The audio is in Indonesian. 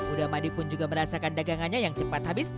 udamadi pun juga merasakan dagangannya yang cepat habis